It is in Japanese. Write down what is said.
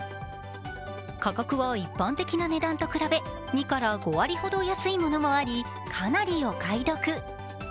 価格は一般的な値段と比べ２５割ほど安いものもありかなりお買い得。